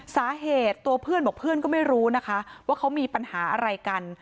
สาเหตุตัวเพื่อนบอกเพื่อนก็ไม่รู้นะคะว่าเขามีปัญหาอะไรกัน